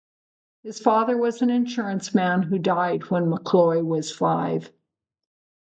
His father was an insurance man who died when McCloy was five.